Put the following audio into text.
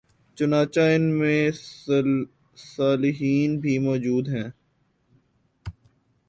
چنانچہ ان میں صالحین بھی موجود ہیں